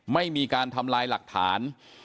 ไม่มีการทำลายหลักฐาน